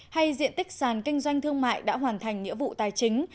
hay diện tích sàn kinh doanh thương mại đã hoàn thành nghĩa vụ tài chính